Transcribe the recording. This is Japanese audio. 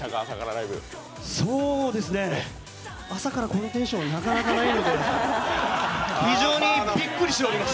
朝からこういうテンション、なかなかないので非常にびっくりしております。